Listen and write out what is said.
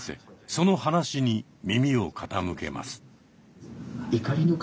その話に耳を傾けます。